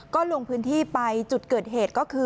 ก็ลงพื้นที่ไปจุดเกิดเหตุก็คือ